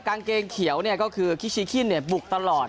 กางเกงเขียวเนี่ยก็คือคิชิกินเนี่ยบุกตลอด